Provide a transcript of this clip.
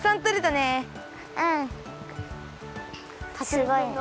すごい。